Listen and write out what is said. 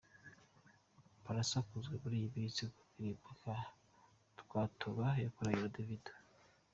Pallaso akunzwe muri iyi minsi mu ndirimbo nka ‘Twatoba’ yakoranye na Davido.